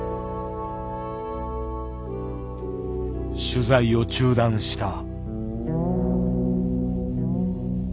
取材を中断した。